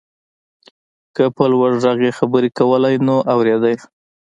که په لوړ غږ يې خبرې کولای نو اورېده يې.